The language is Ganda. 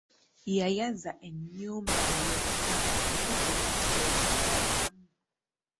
Yayaza ennyumba yonna naye tewali kyeyasangamu.